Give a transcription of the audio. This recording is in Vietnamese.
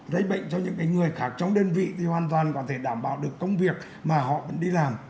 ráy bệnh cho những người khác trong đơn vị thì hoàn toàn có thể đảm bảo được công việc mà họ vẫn đi làm